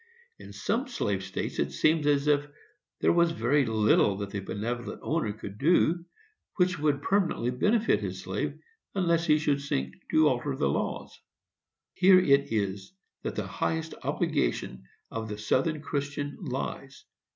In some slave states it seems as if there was very little that the benevolent owner could do which should permanently benefit his slave, unless he should seek to alter the laws. Here it is that the highest obligation of the Southern Christian lies.